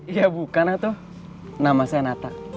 ya bukan lah tuh nama saya nata